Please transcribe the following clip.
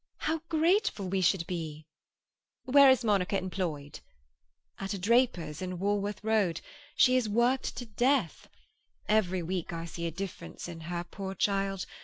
"How grateful we should be!" "Where is Monica employed?" "At a draper's in Walworth Road. She is worked to death. Every week I see a difference in her, poor child.